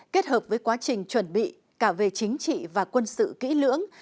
kết hợp với quá trình chuẩn bị cả về chính trị và quân sự kỹ lưỡng